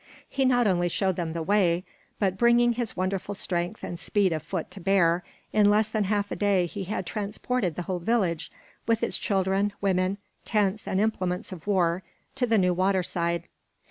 He not only showed them the way, but bringing his wonderful strength and speed of foot to bear, in less than half a day he had transported the whole village, with its children, women, tents, and implements of war, to the new water side.